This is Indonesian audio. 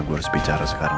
gua harus bicara sekarang